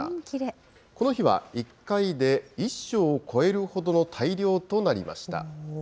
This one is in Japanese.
この日は１回で１升を超える大漁となりました。